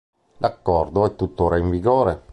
L'accordo è tuttora in vigore.